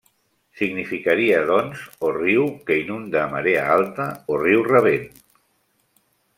Significaria doncs o riu que inunda a marea alta o riu rabent.